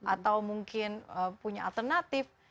atau mungkin punya alternatif